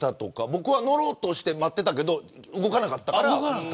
僕は乗ろうとして待っていたけど動かなかったから。